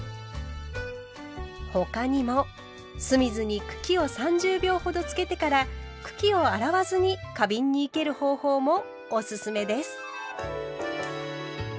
他にも酢水に茎を３０秒ほどつけてから茎を洗わずに花瓶に生ける方法もおすすめです。